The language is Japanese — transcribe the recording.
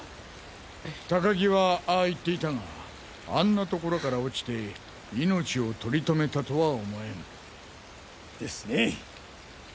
高木はああ言っていたがあんな所から落ちて命をとりとめたとは思えん。ですね。